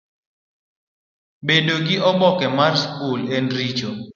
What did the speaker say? Bedo gi oboke mar skul en richo?